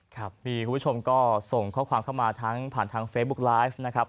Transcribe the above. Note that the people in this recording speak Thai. ครับมีคุณผู้ชมก็ส่งข้อความเข้ามาทั้งผ่านทางเฟซบุ๊กไลฟ์นะครับ